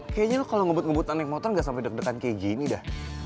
kayaknya lo kalo ngebut ngebutan naik motor gak sampe deg degan kayak gini dah